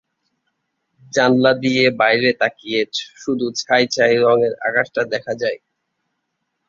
জানলা দিয়ে বাইরে তাকিয়ে শুধু ছাই-ছাই রঙের আকাশটা দেখা যায়।